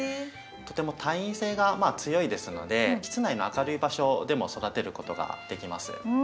とても耐陰性が強いですので室内の明るい場所でも育てることができます。